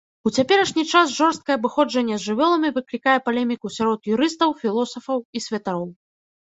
У цяперашні час жорсткае абыходжанне з жывёламі выклікае палеміку сярод юрыстаў, філосафаў і святароў.